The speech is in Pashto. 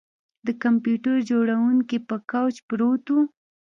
د کمپیوټر جوړونکی په کوچ پروت و